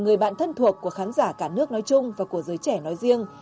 người bạn thân thuộc của khán giả cả nước nói chung và của giới trẻ nói riêng